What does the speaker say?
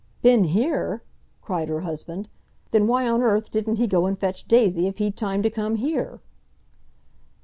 "Been here?" cried her husband. "Then why on earth didn't he go and fetch Daisy, if he'd time to come here?"